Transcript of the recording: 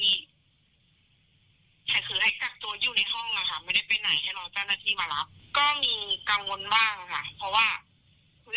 แล้วคือเหมือนเขาจะประสานงานให้กับทางโรงพยาบาลเข่าย้อยให้รอเจ้าหน้าที่